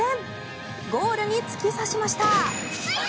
ゴールに突き刺しました。